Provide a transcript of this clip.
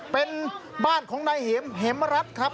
เป็นบ้านของนายเหมรัสครับ